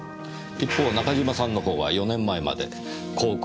一方中島さんのほうは４年前まで高校で化学の教師。